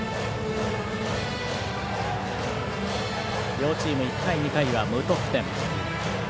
両チーム、１回、２回は無得点。